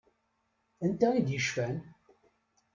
Anta i d-yecfan?